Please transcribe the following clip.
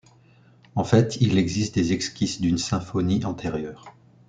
En fait il existe des esquisses d'une symphonie antérieure.